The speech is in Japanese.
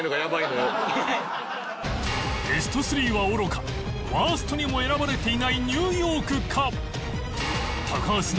ベスト３はおろかワーストにも選ばれていないニューヨークか？